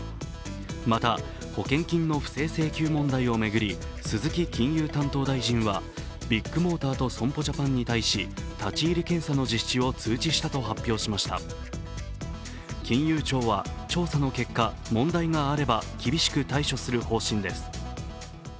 また、保険金の不正請求問題を巡り鈴木金融担当大臣はビッグモーターと損保ジャパンに対し立ち入り検査の実施を通知したと発表しました金融庁は調査の結果、問題があれば厳しく対処する方針です。